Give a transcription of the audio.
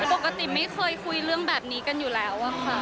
ปกติไม่เคยคุยเรื่องแบบนี้กันอยู่แล้วอะค่ะ